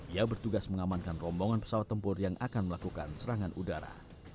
ia bertugas mengamankan rombongan pesawat tempur yang akan melakukan serangan udara